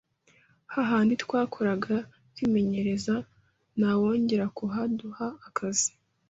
ha handi twakoraga twimenyereza ntawongera kuhaduha akazi